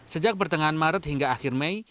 sejak pertengahan maret hingga akhir mei